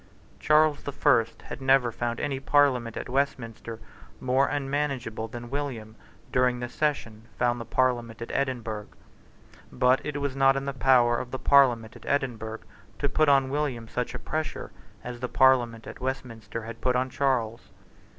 Charles the First had never found any parliament at Westminster more unmanageable than William, during this session, found the parliament at Edinburgh. But it was not in the power of the parliament at Edinburgh to put on William such a pressure as the parliament at Westminster had put on Charles.